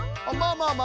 まあまあ